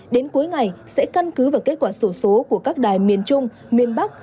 đến cuối ngày sẽ căn cứ vào kết quả sổ số của các đài miền trung miền bắc